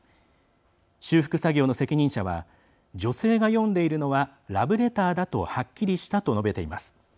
修復作業の責任者は「女性が読んでいるのはラブレターだとはっきりした」と述べています。